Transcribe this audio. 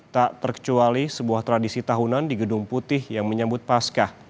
tak terkecuali sebuah tradisi tahunan di gedung putih yang menyambut pasca